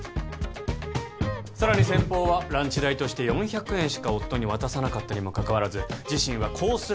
さらに先方はランチ代として４００円しか夫に渡さなかったにもかかわらず自身はコース